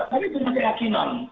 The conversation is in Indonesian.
tapi dengan keyakinan